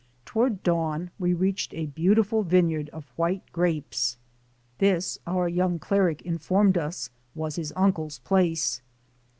Toward dawn we reached a beautiful vineyard of white grapes. This, our young cleric informed us, was his uncle's place.